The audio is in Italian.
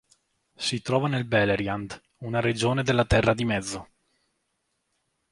Si trova nel Beleriand, una regione della Terra di Mezzo.